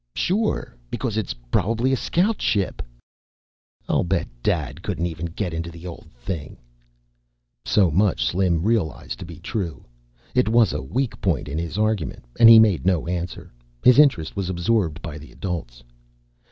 "Sure, because it's probably a scout ship." "I'll bet Dad couldn't even get into the old thing." So much Slim realized to be true. It was a weak point in his argument and he made no answer. His interest was absorbed by the adults.